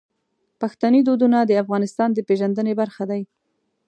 پښتني دودونه د افغانستان د پیژندنې برخه دي.